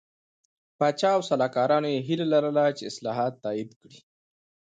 پاچا او سلاکارانو یې هیله لرله چې اصلاحات تایید کړي.